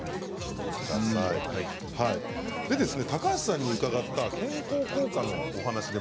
高橋さんに伺った健康効果のお話で、